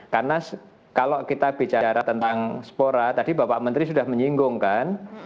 karena kalau kita bicara tentang spora tadi bapak menteri sudah menyinggungkan